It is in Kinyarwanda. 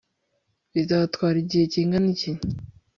bizatwara igihe kingana iki